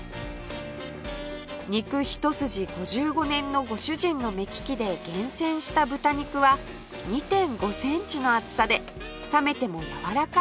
肉一筋５５年のご主人の目利きで厳選した豚肉は ２．５ センチの厚さで冷めてもやわらかいと評判